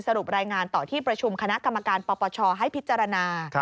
รายงานต่อที่ประชุมคณะกรรมการปปชให้พิจารณา